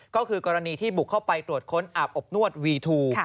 ก็คือกรณีที่บุกเข้าไปตรวจค้นอาบอบนวดวีทู